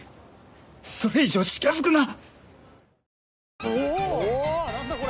それ以上近づくな！